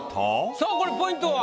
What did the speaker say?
さあこれポイントは？